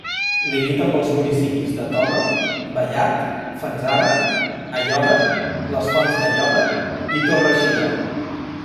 Limita amb els municipis de Toga, Vallat, Fanzara, Aiòder, les Fonts d'Aiòder i Torre-xiva.